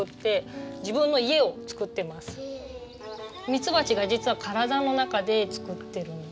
ミツバチが実は体の中で作ってるの。